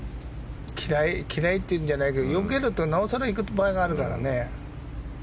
嫌いっていうんじゃないけどよけるとなお更行く場合があるからね。